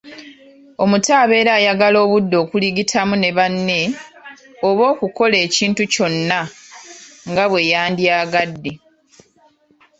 Omuto abeera ayagala obudde okuligitamu ne banne oba okukola ekintu kyonna nga bwe yandyagadde.